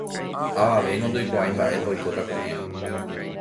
Avavéngo ndoikuaái mba'épa oikóta ko'ẽrõ.